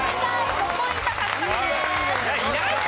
５ポイント獲得です。